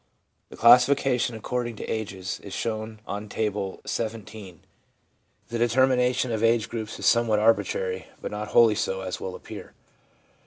The classification, according to ages, js shown on Table XVII. The determination of age SOURCES OF DATA 187 groups is somewhat arbitrary, but not wholly so, as will appear.